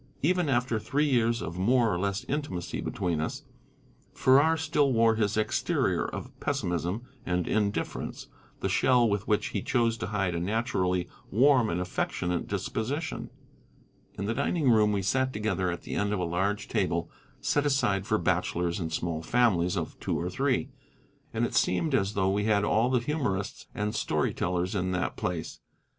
Even after three years of more or less intimacy between us, Farrar still wore his exterior of pessimism and indifference, the shell with which he chose to hide a naturally warm and affectionate disposition. In the dining room we sat together at the end of a large table set aside for bachelors and small families of two or three, and it seemed as though we had all the humorists and story tellers in that place.